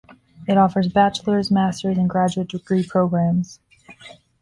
It offers bachelor's, master's and graduate degree programmes.